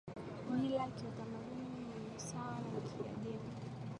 mila ya kitamaduni ni sawa na Kiajemi